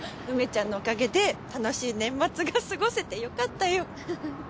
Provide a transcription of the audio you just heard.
梅ちゃんのおかげで楽しい年末が過ごせてよかったよ。